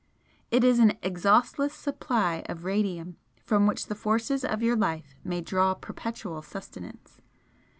It is an exhaustless supply of 'radium' from which the forces of your life may draw perpetual sustenance.